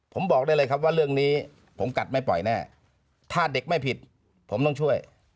ผมบอกได้เลยครับว่าเรื่องนี้ผมกัดไม่ปล่อยแน่ถ้าเด็กไม่ผิดผมต้องช่วย